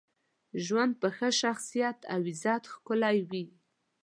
ژوند په ښه شخصیت او عزت ښکلی وي.